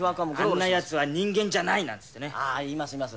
あんなやつは人間じゃないなんてああいますいます